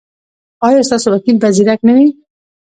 ایا ستاسو وکیل به زیرک نه وي؟